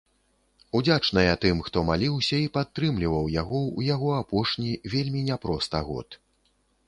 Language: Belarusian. Удзячныя тым, хто маліўся і падтрымліваў яго ў яго апошні вельмі не проста год.